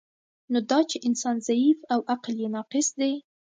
نو دا چی انسان ضعیف او عقل یی ناقص دی